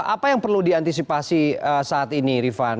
apa yang perlu diantisipasi saat ini rifan